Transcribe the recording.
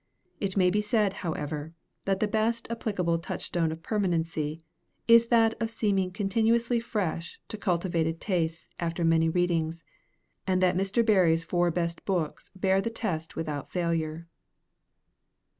It may be said, however, that the best applicable touchstone of permanency is that of seeming continuously fresh to cultivated tastes after many readings; and that Mr. Barrie's four best books bear the test without failure.